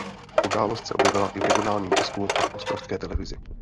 Událost se objevila i v regionálním tisku a v ostravské televizi.